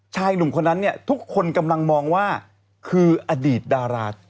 ชายหนุ่มคนนั้นเนี่ยทุกคนกำลังมองว่าคืออดีตดารา